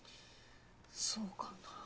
そうかな。